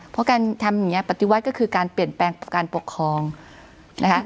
เพราะการทำอย่างนี้ปฏิวัติก็คือการเปลี่ยนแปลงการปกครองนะคะ